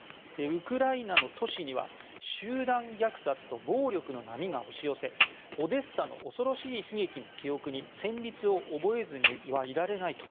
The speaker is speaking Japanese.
ウクライナの都市には集団虐殺と暴力の波が押し寄せオデッサの恐ろしい悲劇の記憶に戦慄を覚えずにはいられないと。